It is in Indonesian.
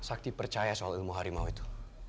sakti percaya soal ilmu harimau itu